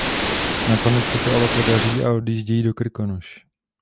Nakonec se to ale podaří a odjíždějí do Krkonoš.